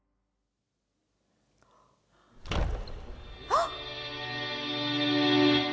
あっ！